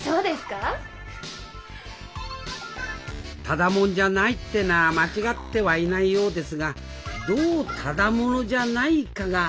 「ただ者じゃない」ってのは間違ってはいないようですがどうただ者じゃないかが問題なのであります